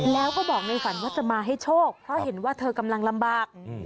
แล้วก็บอกในฝันว่าจะมาให้โชคเพราะเห็นว่าเธอกำลังลำบาก